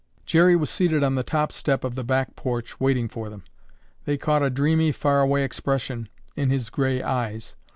Jerry was seated on the top step of the back porch waiting for them. They caught a dreamy far away expression in his gray eyes.